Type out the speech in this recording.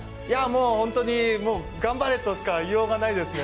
本当に頑張れとしか言いようがないですね。